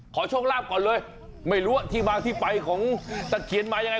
ขอโชคลาภก่อนเลยไม่รู้ว่าที่มาที่ไปของตะเคียนมายังไง